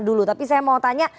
dulu tapi saya mau tanya